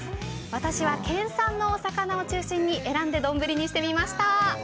私は県産のお魚を中心に選んで丼にしてみました。